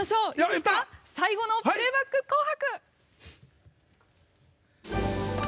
最後のプレーバック「紅白」！